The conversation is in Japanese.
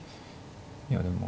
いやでも。